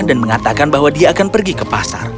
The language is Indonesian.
mengatakan bahwa dia akan pergi ke pasar